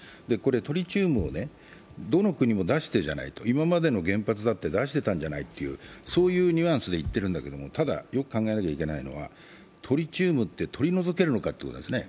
トリチウムをどの国も出してるじゃないか、今までの原発だって出してたんじゃないというニュアンスで言っているんだけど、ただ、よく考えなきゃいけないのはトリチウムって取り除けるのかってことですね